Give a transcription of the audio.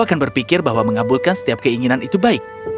akan berpikir bahwa mengabulkan setiap keinginan itu baik